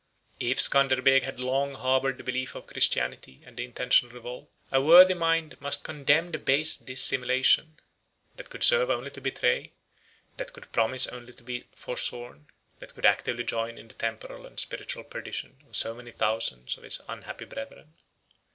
If Scanderbeg had long harbored the belief of Christianity and the intention of revolt, a worthy mind must condemn the base dissimulation, that could serve only to betray, that could promise only to be forsworn, that could actively join in the temporal and spiritual perdition of so many thousands of his unhappy brethren.